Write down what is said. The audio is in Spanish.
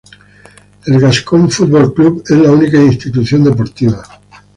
El Gascón Football Club es la única institución deportiva.